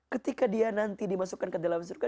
ketika dia nanti dimasukkan ke dalam surga